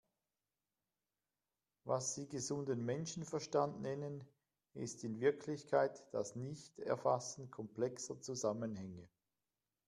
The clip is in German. Was Sie gesunden Menschenverstand nennen, ist in Wirklichkeit das Nichterfassen komplexer Zusammenhänge.